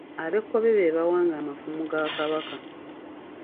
Abekkobe be bawanga amafumu ga Kabaka .